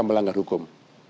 mereka melanggar hukum